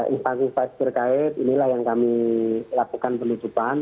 invasi invasi terkait inilah yang kami lakukan penutupan